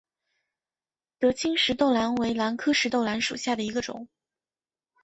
德钦石豆兰为兰科石豆兰属下的一个种。